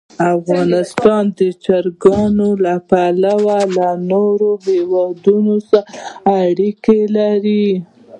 افغانستان د چرګانو له پلوه له نورو هېوادونو سره اړیکې لري.